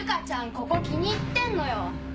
ここ気に入ってんのよ！